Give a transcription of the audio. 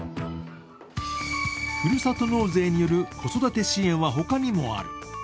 ふるさと納税による子育て支援は他にもある。